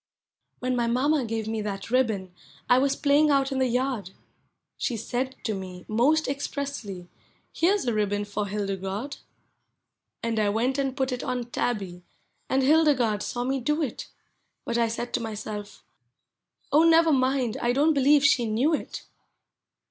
When my mamma gave me that ribbon— I was playing out in the yard She said to me, most expressly, " Here's a ribbon for Hildegarde." And 1 went and put it on Tabby, and Hildegarde saw me do it ; I5ut I said to myself, "Oh, never mind, I don't be lieve she knew it